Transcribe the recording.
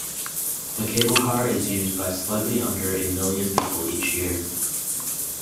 The Cable Car is used by slightly under a million people each year.